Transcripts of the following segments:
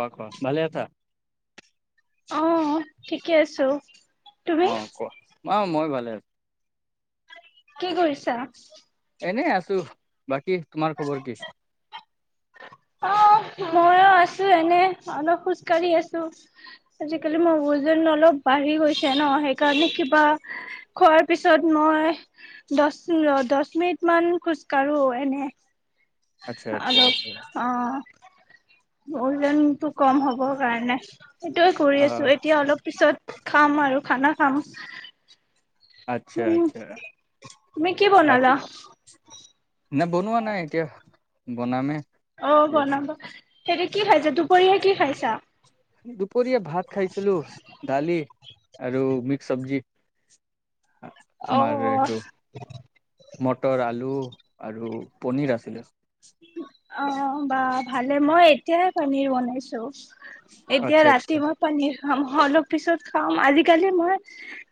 কোৱা কোৱা ভালে আছা অ ঠিকে আছো তুমি অ কোৱা অ মই ভালে আছো কি কৰিছা এনেই আছো বাকী তোমাৰ খবৰ কি অ মই আছো এনে অলপ খোজ কাঢ়ি আছো আজিকালি মোৰ ওজন অলপ বাঢ়ি গৈছে ন সেইকাৰণে কিবা খোৱাৰ পিছত মই দছ দছ মিনিট মান খোজ কাঢ়ো এনে আচ্ছা আচ্ছা আলক আচ্ছা অ জনতটো কম হ'ব কাৰণে সেইটোয়ে কৰি অ আছো এতিয়া অলপ পিছত খাম আৰু খানা খাম আচ্ছা আচ্ছা উমমই কি বনালা নাই বনোৱা নাই এতিয়া বনামে অ কি আছে বনাব সিহতিতে কি খাইছা দুপৰীয়াহে কি খাইছা দুপৰীয়া ভাত খাইছিলো ডালি আৰু মিক্স চব্জি অ তোমাৰ এইটো মটৰ আলু আৰু পনীৰ আছিলে অ বা ভালে মই এতিয়াই পনীৰ বনাইছো এতিয়া আচ্ছা ৰাতি আচ্ছা মই পানীৰ খাম অলপ পিছত খাম আজিকালি মই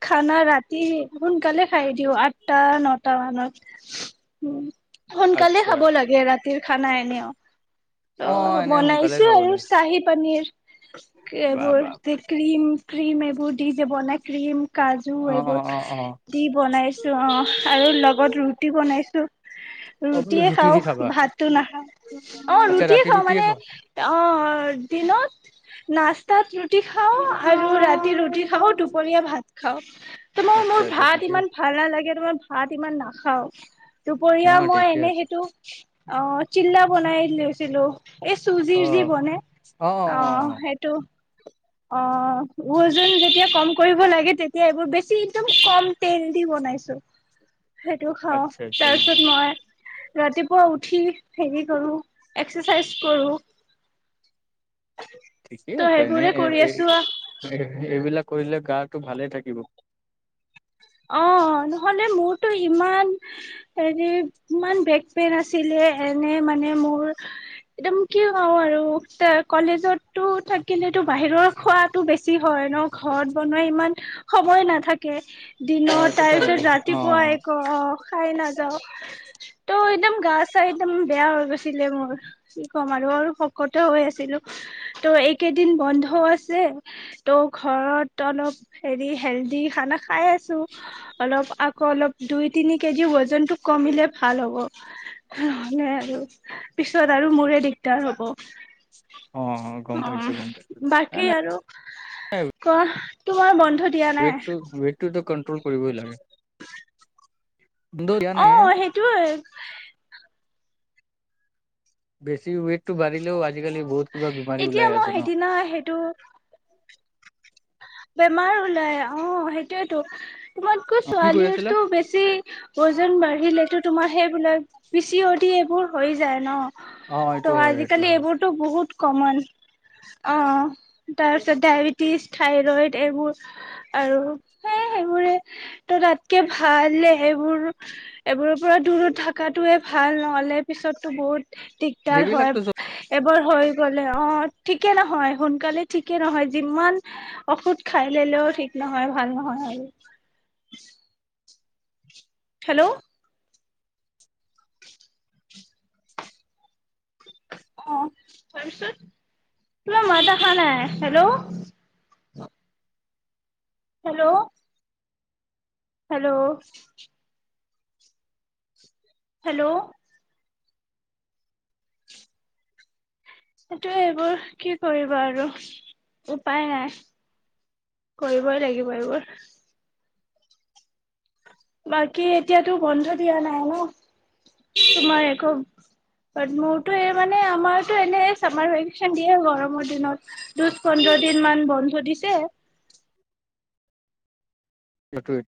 খানা ৰাতি সোনকালে খাই দিওঁ আঠটা নটা মানত উম সোনকালে আচ্ছা খাব লাগে ৰাতি তি খানা এনেও ত অ এনে সোনকালে বনাইছো খাব আৰু লাগে চাহি পানীৰ বা বা এবোৰ বা ক্ৰীিম ক্ৰীম এইবোৰ দি যে বলা ক্ৰীম কাজু অ অ এইবোৰ অ অ দি বনাইছো অ আৰু লগত ৰুটি বনাইছো অ বোলো ৰুটিয়ে ৰুটি খাওঁ দি খাবা ভাত টো নাখায় অ আচ্ছা ৰুটি ৰাতি খাওঁ ৰুটিয়ে মানে খোৱা অ দিনত নাস্তাত ৰুটি খাওঁ আৰু ৰাতি ৰুটি খাওঁ দুপৰীয়া ভাত খাওঁ তোমাৰ আচ্ছা মোৰ আচ্ছা ভাত ঠিকে ইমান ভাল নালাগে তোমাৰ ভাত ইমান না হ অ দুপৰীয়া মই ঠিকে এনে আছে সেইটো অ চিল্া বনাই লৈছিলো এই অ চুজিৰ যি অ বনে অ সেইটো অ জন যেতিয়া কম কৰিব লাগে তেতিয়া এইবোৰ বেছি একদম কম তেল দি বনাইছো সেইটো খাওঁ আচ্ছা আচ্ছা তাৰপিছত মই ৰাতিপুৱা উঠি হেৰি কৰো এক্সাৰচাইজ কৰো ঠিকেইে ত' আছে এনে সেইবোৰে এ কৰি এই আছো এইবিলাক কৰিলে গাটো ভালে থাকিব অ নহলে মোৰতো ইমান হেৰি ইমান বেকপেইন আছিলে এনে মানে মোৰ একদম কি কওঁ আৰু এ কলেজতো থাকিলেতো বাহিৰৰ খোৱাতো বেছি হয় ন ঘৰত বনোৱা ইমান সময় নাথাকে অ দিনৰত এইটো থ তাৰ পিছত অ ৰাতিপুৱা একো অ খাই না ত একদম গা চাই একদম বেয়া হৈ গৈছিলে মোৰ কি ক'ম আৰু আৰু শকত হৈ আছিলো ত' এইকেইদিন বন্ধ আছে ত' ঘৰত অলপ হেৰি হেলডি খানা খাই আ অলপ আকৌ অলপ দুই তিনি কেজি ওজনতটো কমিলে ভাল হ'ব নহলে আৰু পিছত আৰু মোৰে দিগদাৰ হ'ব অ গম পাইছো গম পাইছো নাই নাই অ তোমাৰ মন ৱেটটো ৱেটটো কন কৰিবই লাগে কিন্তু দিয়া অ নাই সেইটোৱে বেছি ৱেইট টো বাঢ়িলেও আজিকালি বহুত কিবা বেমাৰী এতিয়া ওলাই মই আছে ন সেইদিনা সেইটো বেমাৰ ওলাই অ সেইটোয়েতো তোমাতকৈ অ কি কৰি আছিলা ছোৱালীৰতো বেছি ওজন বাঢ়িলেতো তোমাৰ সেইবিলাক পিচি অদি এইবোৰ হৈ যায় ন অ এইটো ত' হয় সেইটো আজিকালি হয় এইবোৰতো বহুত কমন অ তাৰপিছত ডায়েবেটিছ থাইৰইড এইবোৰ আৰু সে সেইবোৰে তো তাতকে ভালে সেইবোৰ এইবোৰৰ পৰা দূৰত থকাটোোৱে ভাল নহ'লে পিছতো বহুত দিগদাৰ হয় সেইবিলাকতো এবাৰ হৈ গ'লে অ ঠিকে নহয় সোনকালে ঠিকে নহয় যিমান ঔষুধ খাই লিলেও ঠিক নহয় ভাল নহয় আৰু হেল্ল' আহ তোমাৰ মাত আহা নাই হেল্ল' হেল্ল' হেল্ল' হেল্ল' সটোয়ে এইবোৰ কি কৰিব আৰু উপায় নাই কৰিবই লাগিব এইবোৰ বাকী এতিয়াতো বন্ধ দিয়া নাই ন তোমাৰ একো বাট মোৰতো এই মানে আমাৰতো এনে চামাৰ ভেকেচন দিয়ে গৰমৰ দিনত দুহ পোন্ধৰ দিন মান বন্ধ দিছে ইটুইট